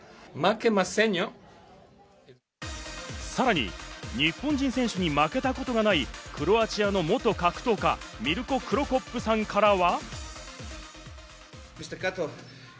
さらに日本人選手に負けたことがない、クロアチアの元格闘家、ミルコ・クロコップさんからは。